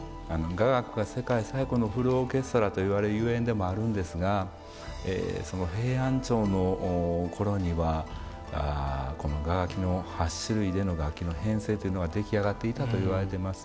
雅楽が世界最古のフルオーケストラといわれるゆえんでもあるんですがその平安朝の頃には８種類での楽器の編成というのが出来上がっていたといわれてます。